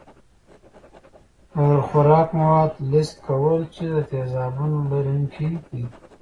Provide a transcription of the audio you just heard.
د خوراکي موادو لست کول چې د تیزابونو لرونکي دي.